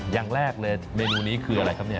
อย่างแรกเลยเมนูนี้คืออะไรครับเนี่ย